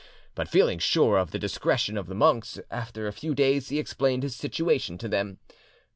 But feeling sure of the discretion of the monks, after a few days he explained his situation to them.